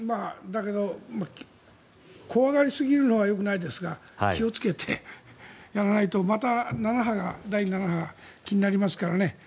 だけど怖がりすぎるのはよくないですが気をつけてやらないとまた７波が気になりますからね。